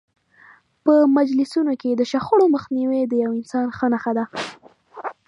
په مجلسونو کې د شخړو مخنیوی د یو ښه انسان نښه ده.